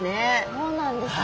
そうなんですね！